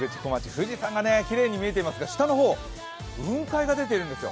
富士山がね、きれいに見えていますが、下の方雲海が出てるんですよ。